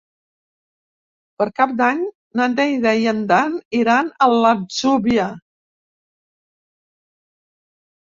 Per Cap d'Any na Neida i en Dan iran a l'Atzúbia.